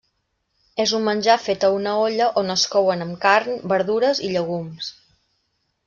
És un menjar fet a una olla on es couen amb carn, verdures i llegums.